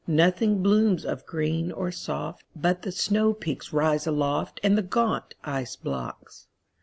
Nothing blooms of green or soft, But the snowpeaks rise aloftAnd the gaunt ice blocks.